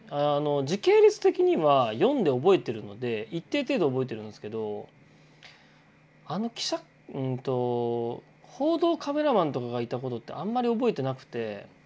時系列的には読んで覚えてるので一定程度覚えてるんですけどあの報道カメラマンとかがいたことってあんまり覚えてなくて。